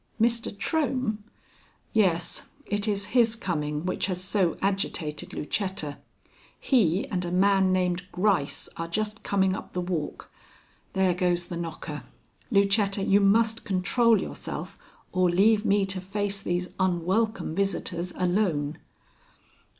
"Mr. Trohm?" "Yes. It is his coming which has so agitated Lucetta. He and a man named Gryce are just coming up the walk. There goes the knocker. Lucetta, you must control yourself or leave me to face these unwelcome visitors alone."